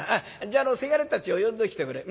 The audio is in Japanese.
じゃあ伜たちを呼んできておくれ。